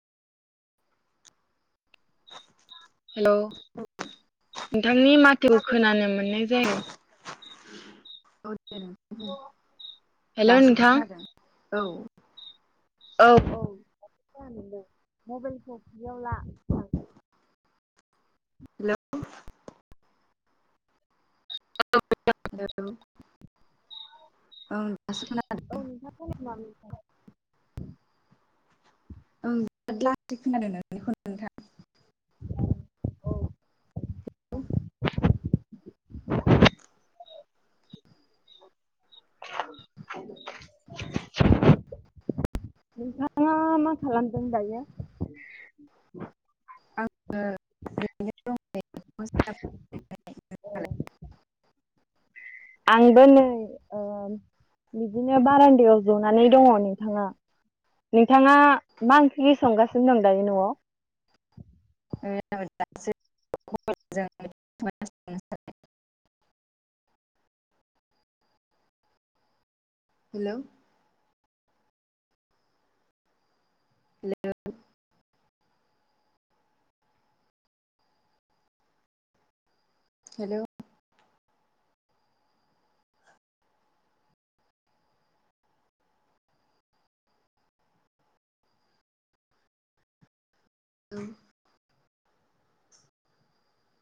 हेल' नोंथांनि माथोखौ खोनानो मोननाय जायाखै। औ दे नोंथां बुं हेलौ दासो नोंथां खोनादों औ। औ औ ज नोंदों मबाइलखौ [unintelligible] हेल'। हेल औ। औ नोंथांङा [inaudible] ओं बिराद लासै खोनादों नोंनिखौ नोंथां। [inaudible] हेल' [inaudible] नोंथाङा मा खालामदों दायो? आंङो ओरैनो दं दायो। आंबो नै ओ बिदिनो बारान्दायाव जनानै दङ नोंथां आं। नोंथाङा मा ओंख्रि संगासिनो दं दायो न'आव? [inaudible] जों हेल'। हेल'। हेल'। [inaudible]